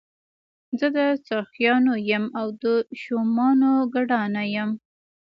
زه د سخیانو یم او د شومانو ګدا نه یمه.